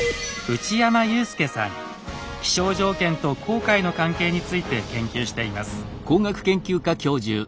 気象条件と航海の関係について研究しています。